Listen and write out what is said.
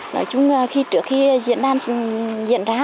nói chung trước khi diễn đàn diễn ra